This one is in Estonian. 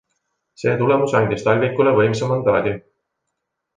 See tulemus andis Talvikule võimsa mandaadi.